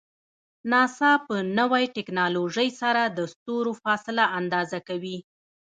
ناسا په نوی ټکنالوژۍ سره د ستورو فاصله اندازه کوي.